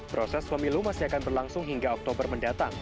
proses pemilu masih akan berlangsung hingga oktober mendatang